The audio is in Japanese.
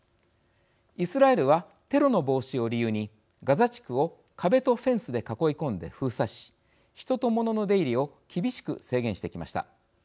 イスラエルはテロの防止を理由にガザ地区を壁とフェンスで囲い込んで封鎖し人とものの出入りを厳しく制限してきました。